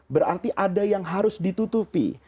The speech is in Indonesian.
berarti ada yang harus ditutupi